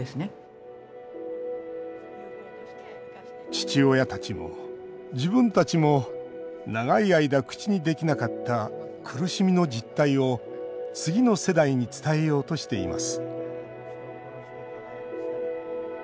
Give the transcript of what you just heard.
父親たちも自分たちも長い間、口にできなかった苦しみの実態を、次の世代に伝えようとしています